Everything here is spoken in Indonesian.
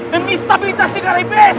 demi stabilitas negara iblis